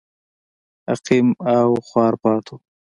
عقیم او خوار پاتې و.